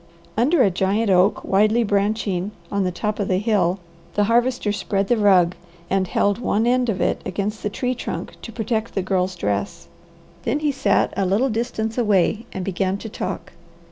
Under a giant oak widely branching, on the top of the hill, the Harvester spread the rug and held one end of it against the tree trunk to protect the Girl's dress. Then he sat a little distance away and began to talk.